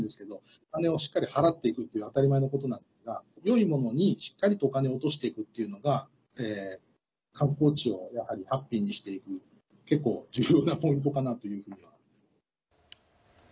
お金をしっかり払っていくという当たり前のことなんですがよいものに、しっかりとお金を落としていくっていうのが観光地をやはりハッピーにしていく結構、重要なポイントかなというふうには。